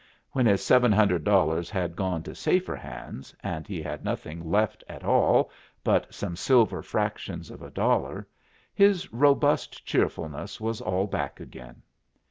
When his seven hundred dollars had gone to safer hands and he had nothing left at all but some silver fractions of a dollar, his robust cheerfulness was all back again.